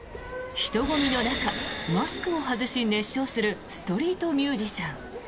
人混みの中、マスクを外し熱唱するストリートミュージシャン。